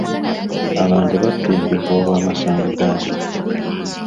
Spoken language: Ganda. Abantu batta enjovu olw'amasanga gaazo.